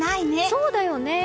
そうだよね。